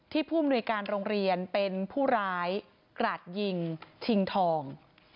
ผู้มนุยการโรงเรียนเป็นผู้ร้ายกราดยิงชิงทอง